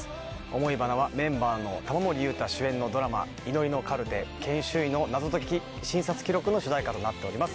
想花は、メンバーの玉森裕太主演のドラマ、祈りのカルテ、研修医の謎解き診察記録の主題歌となっております。